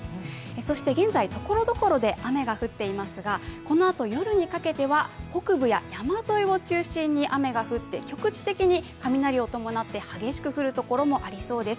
そして現在、ところどころで雨が降っていますが、このあと夜にかけては北部や山沿いを中心に雨が降って、局地的に雷を伴って激しく降る所もありそうです。